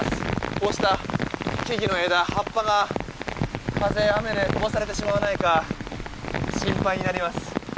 こうした木々の枝、葉っぱが風、雨で飛ばされてしまわないか心配になります。